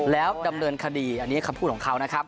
แล้วดำเนินคดีอันนี้คำพูดของเขานะครับ